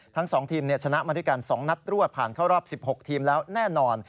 ทั้ง๒ทีมชนะมาด้วยกัน๒นัดรวดผ่านเข้ารอบ๑๖ทีมแล้วแน่นอน